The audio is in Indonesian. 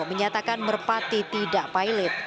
menyatakan merpati tidak pilot